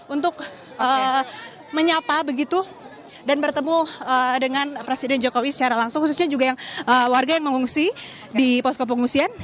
untuk menyapa begitu dan bertemu dengan presiden jokowi secara langsung khususnya juga yang warga yang mengungsi di posko pengungsian